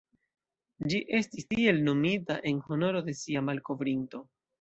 Ĝi estis tiel nomita en honoro de sia malkovrinto.